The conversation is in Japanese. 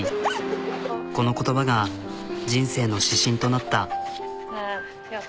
この言葉が人生の指針となった。